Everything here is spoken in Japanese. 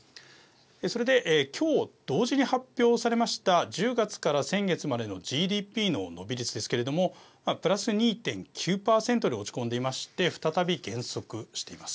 それで今日同時に発表されました１０月から先月までのＧＤＰの伸び率ですけれどもプラス２．９％に落ち込んでいまして再び減速しています。